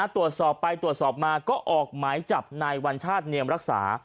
ตรวจสอบไปตรวจสอบมาก็ออกหมายจับนายวัญชาติเนียมรักษา